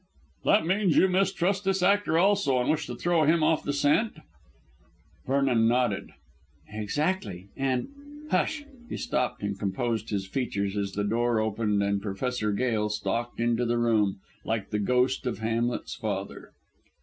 "That means you mistrust this actor also and wish to throw him off the scent?" Vernon nodded. "Exactly, and hush " He stopped and composed his features as the door opened and Professor Gail stalked into the room, like the Ghost of Hamlet's father.